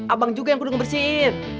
abang juga yang perlu ngebersihin